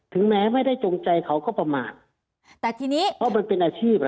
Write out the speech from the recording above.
ถึงแม้ไม่ได้จงใจเขาก็ประมาทเพราะว่ามันเป็นอาชีพ